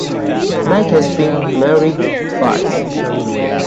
Mack has been married twice.